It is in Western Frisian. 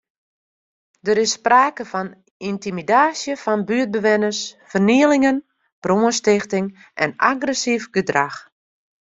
Der is sprake fan yntimidaasje fan buertbewenners, fernielingen, brânstichting en agressyf gedrach.